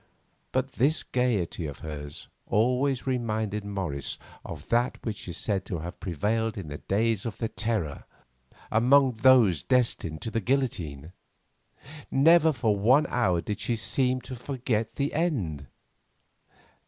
But this gaiety of hers always reminded Morris of that which is said to have prevailed in the days of the Terror among those destined to the guillotine. Never for one hour did she seem to forget the end.